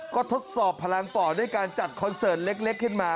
ก็ทดสอบพลังป่อด้วยการจัดคอนเสิร์ตเล็กขึ้นมา